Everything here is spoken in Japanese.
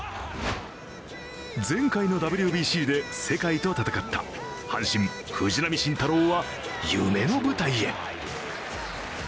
前回のＷＢＣで世界と戦った阪神・藤浪晋太郎は夢の舞台へ。